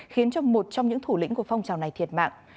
khiến cho một trong những thủ lĩnh của phong trào này thiệt mạng